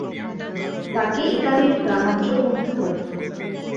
তাকে ইতালির গ্রামাঞ্চল মুগ্ধ করে।